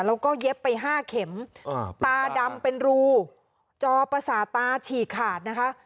แล้วก็เย็บไป๕เข็มตาดำเป็นรูจอประสาทตาฉีกขาดนะคะ